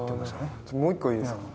もう１個、いいですか？